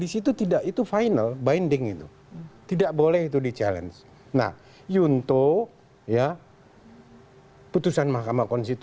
saya di komisi dua